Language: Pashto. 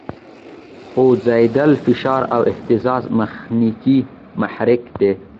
خوځېدل، فشار او اهتزاز میخانیکي محرک دی.